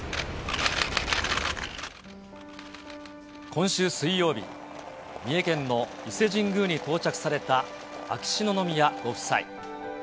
今週水曜日、三重県の伊勢神宮に到着された秋篠宮ご夫妻。